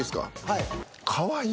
はい。